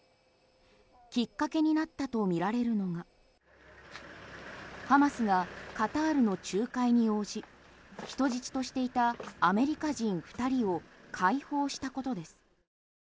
きっかけになったとみられるのがハマスがカタールの仲介に応じ人質としていたアメリカ人２人を解放したことです。